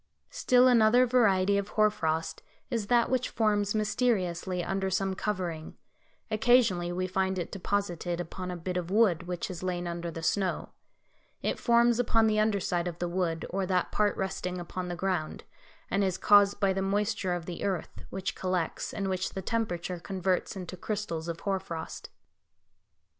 Still another variety of hoar frost is that which forms mysteriously under some covering; occasionally we find it deposited upon a bit of wood which has lain under the snow; it forms upon the underside of the wood, or that part resting upon the ground, and is caused by the moisture of the earth, which collects, and which the temperature converts into crystals of hoar frost.